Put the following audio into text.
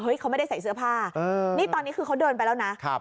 เขาไม่ได้ใส่เสื้อผ้านี่ตอนนี้คือเขาเดินไปแล้วนะ